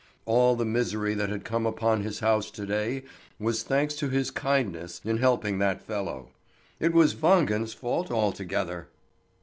All the misery that had come upon his house to day was thanks to his kindness in helping that fellow. It was Wangen's fault altogether.